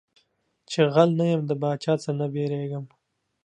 چي غل نه يم د باچا څه نه بيرېږم.